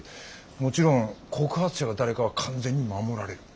もちろん告発者が誰かは完全に守られる。